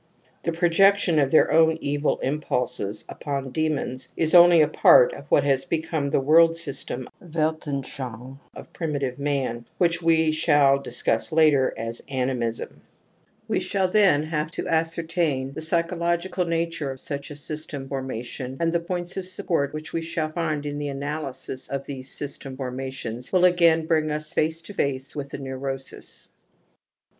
The projection of their own evil impulses upon demons is only a part of what has become the world system (* Weltanschauxmg ') of primitive 110 TOTEM AND TABOO / man which we shall discuss later as * animism \ We shall then have to ascertain the psychological nature of such a system formation and the points of support which we shall find in the analysis of these system formations will again bring us face to face with the neurosis.